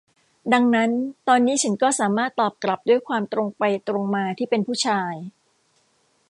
ดังนั้นตอนนี้ฉันก็สามารถตอบกลับด้วยความตรงไปตรงมาที่เป็นผู้ชาย